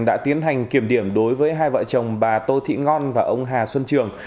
đã tiến hành kiểm điểm đối với hai vợ chồng bà tô thị ngon và ông hà xuân trường